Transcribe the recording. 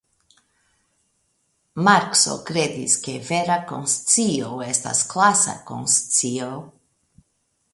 Markso kredis ke vera konscio estas klasa konscio.